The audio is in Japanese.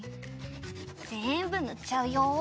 ぜんぶぬっちゃうよ。